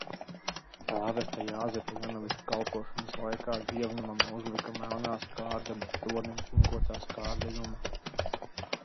Prāvesta Jāzepa Janoviča kalpošanas laikā dievnamam uzlika melnā skārda, bet tornim cinkotā skārda jumtu.